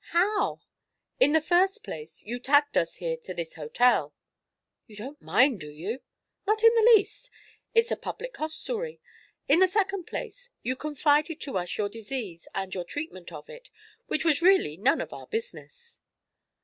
"How?" "In the first place, you tagged us here to this hotel." "You don't mind, do you?" "Not in the least. It's a public hostelry. In the second place, you confided to us your disease and your treatment of it which was really none of our business."